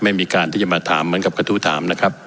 ไม่มีการที่จะมาถามเหมือนกับกระทู้ถามนะครับ